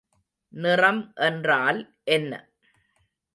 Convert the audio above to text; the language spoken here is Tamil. நிறம் என்றால் என்ன?